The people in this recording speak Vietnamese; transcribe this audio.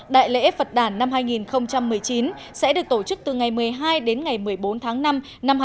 đại lễ phật đàn năm hai nghìn một mươi chín sẽ được tổ chức từ ngày một mươi hai đến ngày một mươi bốn tháng năm năm hai nghìn hai mươi